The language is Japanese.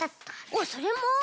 おっそれも？